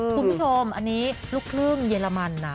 คุณผู้ชมอันนี้ลูกครึ่งเยอรมันนะ